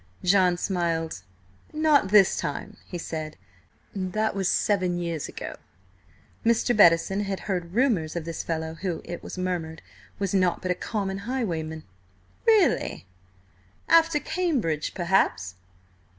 John smiled. "Not this time," he said, "that was seven years ago." Mr. Bettison had heard rumours of this fellow who, it was murmured, was nought but a common highwayman. "Really? After Cambridge, perhaps?"